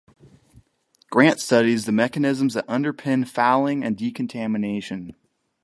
Grant studies the mechanisms that underpin fouling and decontamination.